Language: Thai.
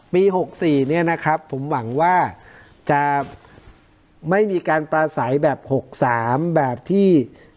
๖๔เนี่ยนะครับผมหวังว่าจะไม่มีการปราศัยแบบ๖๓แบบที่